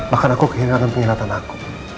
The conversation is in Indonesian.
bahkan aku kehilangan penghinaan aku